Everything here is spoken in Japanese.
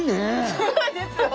そうなんですよ！